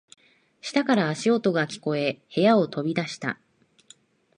下から足音が聞こえ、部屋を飛び出した。